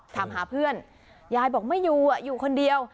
ถามหาเพื่อนยายบอกไม่อยู่อยู่คนเดียว